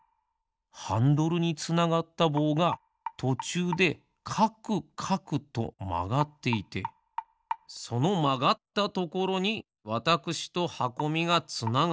ハンドルにつながったぼうがとちゅうでかくかくとまがっていてそのまがったところにわたくしとはこみがつながっている。